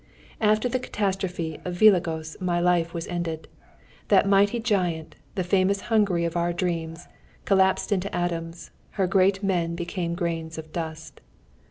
After the catastrophe of Vilagós my life was ended. That mighty giant, the famous Hungary of our dreams, collapsed into atoms: her great men became grains of dust.